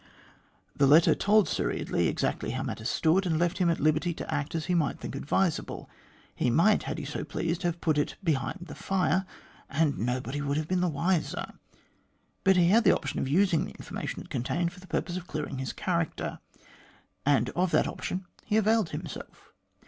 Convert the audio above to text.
The letter told Sir Eardley exactly how matters stood, and left him at liberty to act as he might think advisable. He might, had he so pleased, have put it behind the fire, and nobody would have been the wiser ; but he had the option of using the information it contained for the purpose of clearing his character, and of that option he availed himself.